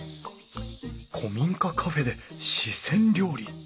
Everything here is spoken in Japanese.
古民家カフェで四川料理。